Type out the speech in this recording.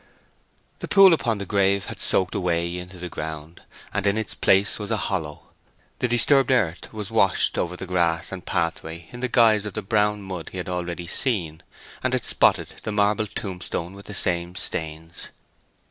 The pool upon the grave had soaked away into the ground, and in its place was a hollow. The disturbed earth was washed over the grass and pathway in the guise of the brown mud he had already seen, and it spotted the marble tombstone with the same stains.